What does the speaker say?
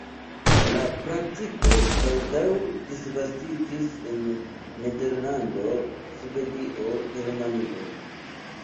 La praktiko baldaŭ disvastiĝis en Nederlando, Svedio, Germanio.